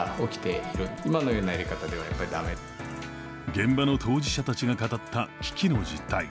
現場の当事者たちが語った危機の実態。